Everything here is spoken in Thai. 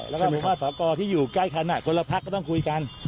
แล้วก็มีข้อสอกรที่อยู่ใกล้กันคนละพักก็ต้องคุยกัน